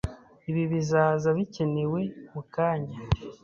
Ibi bizaza bikenewe mukanya.